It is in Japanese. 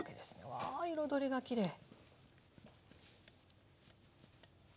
わ彩りがきれい！